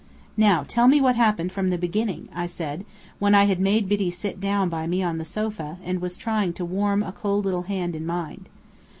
"Now tell me what happened, from the beginning," I said, when I had made Biddy sit down by me on the sofa, and was trying to warm a cold little hand in mine.